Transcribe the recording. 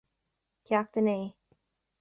Ceacht a naoi